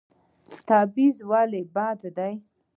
تبعیض ولې بد دی؟